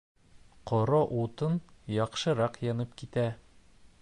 Ҡоро утын яҡшыраҡ янып китә